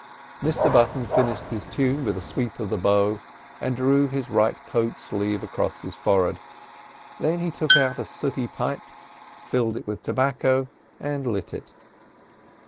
Mr Button finished his tune with a sweep of the bow, and drew his right coat sleeve across his forehead. Then he took out a sooty pipe, filled it with tobacco, and lit it.